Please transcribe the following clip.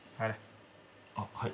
あっはい。